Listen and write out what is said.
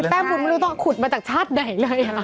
แม้คุณไม่รู้ต้องขุดมาจากชาติไหนเลย